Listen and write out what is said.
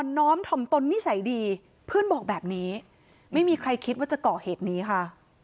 น้อมถ่อมตนนิสัยดีเพื่อนบอกแบบนี้ไม่มีใครคิดว่าจะก่อเหตุนี้ค่ะ